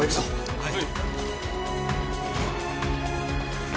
はい。